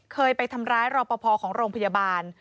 เคยไปทำร้ายรอปภของโรงพยาบาล